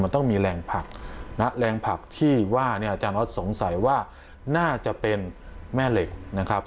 มันต้องมีแรงผักนะแรงผักที่ว่าเนี่ยอาจารย์ออสสงสัยว่าน่าจะเป็นแม่เหล็กนะครับ